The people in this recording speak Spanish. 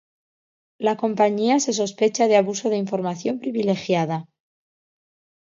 La compañía se sospecha de abuso de información privilegiada.